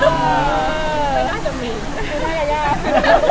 ไม่น่าจะยาก